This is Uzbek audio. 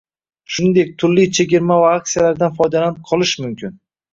Shuningdek turli chegirma va aksiyalardan foydalanib qolish mumkin